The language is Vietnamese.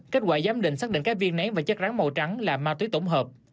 kết quả giám định xác định các viên nén và chất rắn màu trắng là ma túy tổng hợp